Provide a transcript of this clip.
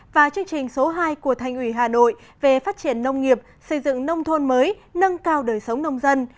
và chương trình số hai của thành ủy hà nội về phát triển nông nghiệp xây dựng nông thôn mới nâng cao đời sống nông dân